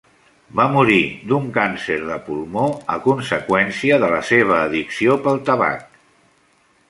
Va morir d'un càncer de pulmó, a conseqüència de la seva addicció pel tabac.